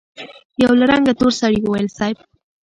يوه له رنګه تور سړي وويل: صېب!